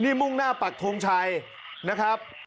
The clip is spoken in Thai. นี่มุ่งหน้าปักทงชัยนะครับ